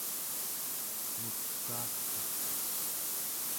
mukaarkaq